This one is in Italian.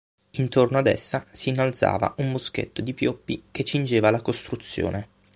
Intorno ad essa s'innalzava un boschetto di pioppi che cingeva la costruzione.